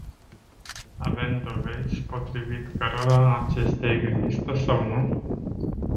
Avem dovezi potrivit cărora acestea există sau nu?